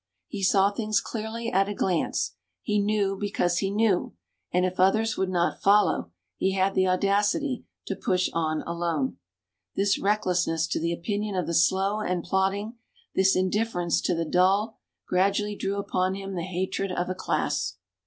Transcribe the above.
He saw things clearly at a glance; he knew because he knew; and if others would not follow, he had the audacity to push on alone. This recklessness to the opinion of the slow and plodding, this indifference to the dull, gradually drew upon him the hatred of a class.